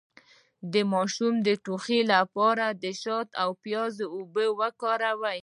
د ماشوم د ټوخي لپاره د شاتو او پیاز اوبه وکاروئ